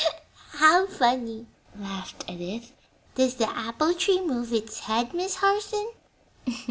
'" "How funny!" laughed Edith. "Does the apple tree move its head, Miss Harson?"